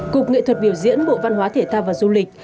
cục nghệ thuật biểu diễn bộ văn hóa thể thao và du lịch